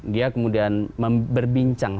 dia kemudian berbincang